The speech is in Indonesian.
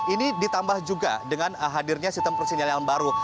ini ditambah juga dengan hadirnya sistem persinyalan yang baru